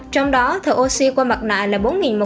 trong đó thở oxy qua mặt nạ là bốn một trăm năm mươi bảy